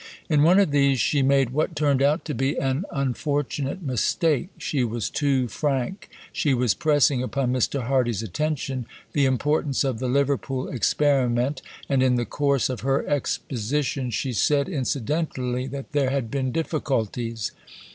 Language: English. In one of these she made what turned out to be an unfortunate mistake. She was too frank. She was pressing upon Mr. Hardy's attention the importance of the Liverpool experiment, and in the course of her exposition she said incidentally that there had been difficulties.